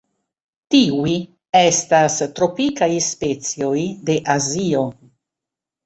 Tiuj estas tropikaj specioj de Azio.